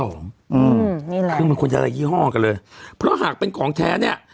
อืมนี่แหละคือมันควรจะละยี่ห้อกันเลยเพราะหากเป็นของแท้เนี้ย